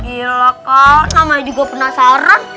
ya gila kak namanya juga penasaran